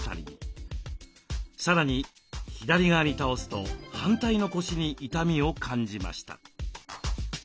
さらに左側に倒すと反対の腰に痛みを感じました。